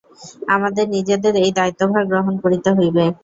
আমাদের নিজেদের এই দায়িত্বভার গ্রহণ করিতে হইবে।